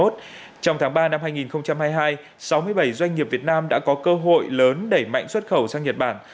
trong tháng ba năm hai nghìn hai mươi hai sáu mươi bảy doanh nghiệp việt nam đã có cơ hội lớn đẩy mạnh xuất khẩu sang nhật bản